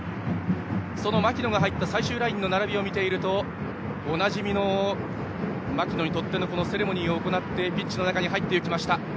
その槙野が入った最終ラインの並びを見ているとおなじみの槙野にとってのセレモニーを行ってピッチに入りました。